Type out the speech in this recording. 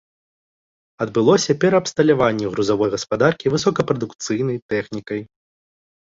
Адбылося пераабсталяванне грузавой гаспадаркі высокапрадукцыйнай тэхнікай.